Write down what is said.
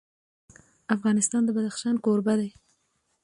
افغانستان د بدخشان کوربه دی.